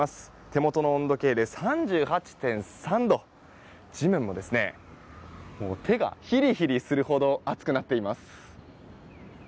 手元の温度計で３８．３度地面も、手がヒリヒリするほど熱くなっています。